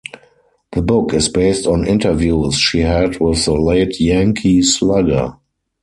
The book is based on interviews she had with the late Yankee slugger.